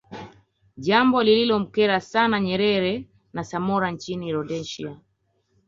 Jambo lililomkera sana Nyerere na Samora Nchini Rhodesia